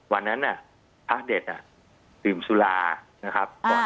วันนั้นฮะพระเทศอ่ะดื่มซุลานะครับอ่า